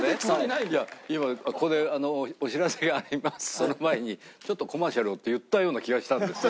「その前にちょっとコマーシャルを」って言ったような気がしたんですよ。